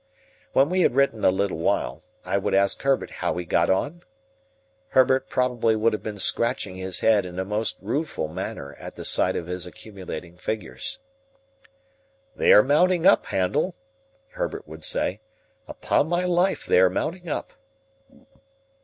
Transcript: When we had written a little while, I would ask Herbert how he got on? Herbert probably would have been scratching his head in a most rueful manner at the sight of his accumulating figures. "They are mounting up, Handel," Herbert would say; "upon my life, they are mounting up."